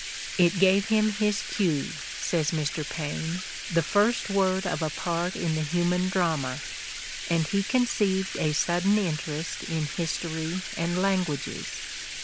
"It gave him his cue, '' says Mr. Paine, '' the first word of a part in the human drama," and he conceived a sudden interest in history and languages.